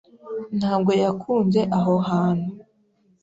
Ntabwo yakunze aho hantu.